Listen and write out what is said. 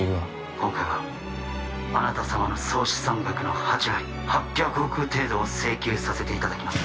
今回はあなた様の総資産額の８割８００億程度を請求させていただきます